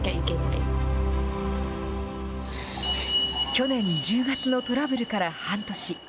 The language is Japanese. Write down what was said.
去年１０月のトラブルから半年。